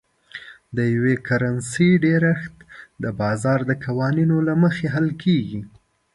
د یوې کرنسۍ ډېرښت د بازار د قوانینو له مخې حل کیږي.